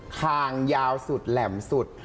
คางยาวสุดแหลมสุด